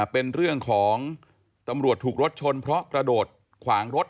เป็นเรื่องของตำรวจถูกรถชนเพราะกระโดดขวางรถ